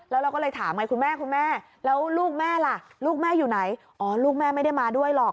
แล้วเราก็เลยถามไงคุณแม่คุณแม่แล้วลูกแม่ล่ะลูกแม่อยู่ไหนอ๋อลูกแม่ไม่ได้มาด้วยหรอก